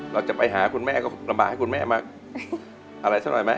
เราจะไปหาคุณแม่ก็ลำบากให้คุณแม่มากอะไรสักหน่อยไหม